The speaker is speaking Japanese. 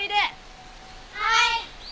はい！